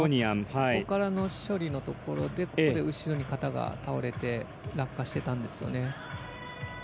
ここからの処理のところで後ろに肩が倒れて落下していたんですね。